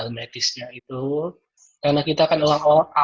rasa rindu ia sampaikan lewat ungkapan terima kasih yang mendalam kepada seorang kakak